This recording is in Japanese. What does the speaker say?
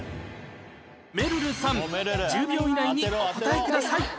めるるさん１０秒以内にお答えください